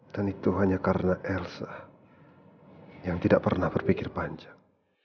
dan itu hanya karena elsa yang tidak pernah berpikir panjang